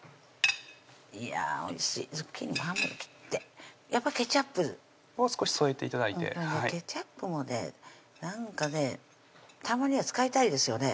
いやぁおいしいズッキーニも半分に切ってやっぱケチャップ少し添えて頂いてケチャップもねなんかねたまには使いたいですよね